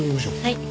はい。